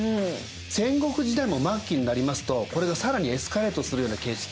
戦国時代も末期になりますとこれが更にエスカレートするような形式が生まれます。